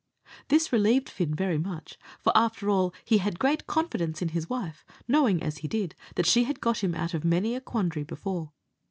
This relieved Fin very much; for, after all, he had great confidence in his wife, knowing, as he did, that she had got him out of many a quandary before.